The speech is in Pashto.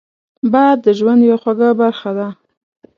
باد د ژوند یوه خوږه برخه ده